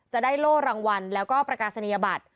จะได้โล่รางวัลแล้วก็ประกาศนียบัตร